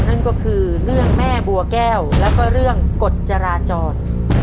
นั่นก็คือเรื่องแม่บัวแก้วแล้วก็เรื่องกฎจราจร